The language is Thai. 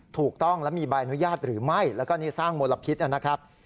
ถูกต้องและมีใบอนุญาตหรือไม่แล้วก็นี่สร้างมลพิษนะครับ